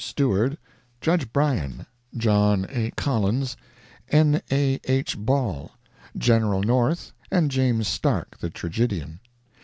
Stewart, Judge Bryan, John A. Collins, N. A. H. Ball, General North and James Stark, the tragedian.